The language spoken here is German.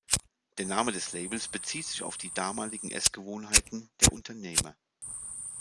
Der Name des Labels bezieht sich auf die damaligen Essgewohnheiten der Unternehmer.